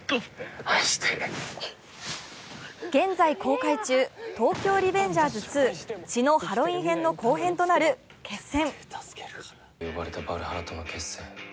現在公開中「東京リベンジャーズ２血のハロウィン編」の後編となる「−決戦−」。